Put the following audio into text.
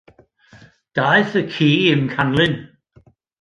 Daeth y ci i'm canlyn.